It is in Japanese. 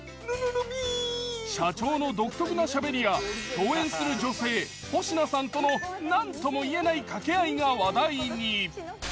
社長の独特なしゃべりや共演する女性保科さんとのなんともいえない掛け合いが話題に。